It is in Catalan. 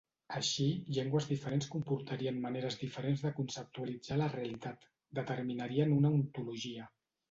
Així, llengües diferents comportarien maneres diferents de conceptualitzar la realitat, determinarien una ontologia.